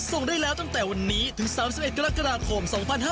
ส่งได้แล้วตั้งแต่วันนี้ถึง๓๑กรกฎาคม๒๕๕๙